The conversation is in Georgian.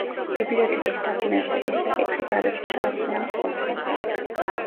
ბიბლიოთეკის დაფინანსების საკითხი გადაწყდა ასუანის კონფერენციაზე.